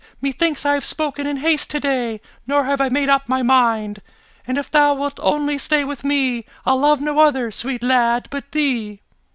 Methinks I have spoken in haste today, Nor have I made up my mind, And if thou only wilt stay with me, I'll love no other, sweet lad, but thee_."